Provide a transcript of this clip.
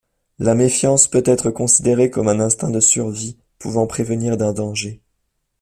La méfiance peut-être considérée comme un instinct de survie pouvant prévenir d'un danger.